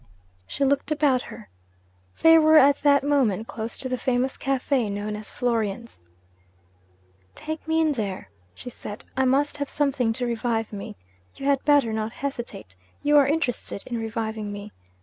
She looked about her. They were at that moment close to the famous cafe known as 'Florian's.' 'Take me in there,' she said; 'I must have something to revive me. You had better not hesitate. You are interested in reviving me.